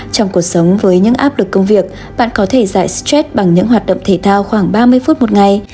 trong cuộc sống với những áp lực công việc bạn có thể giải stress bằng những hoạt động thể thao khoảng ba mươi phút một ngày